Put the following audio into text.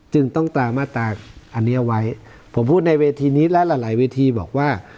จึงต้องตามตากอันนี้ไว้ผมพูดในเวทีนี้และหลายเวทีบอกว่า